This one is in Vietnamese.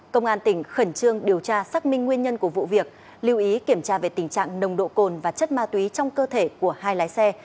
công an tỉnh khẩn trương điều tra xác minh nguyên nhân của vụ việc lưu ý kiểm tra về tình trạng nồng độ cồn và chất ma túy trong cơ thể của hai lái xe